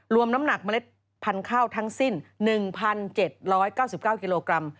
น้ำหนักเมล็ดพันธุ์ข้าวทั้งสิ้น๑๗๙๙กิโลกรัม